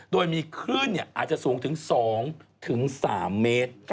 โดยมีคลื่นอาจจะสูงถึง๒๓เมตร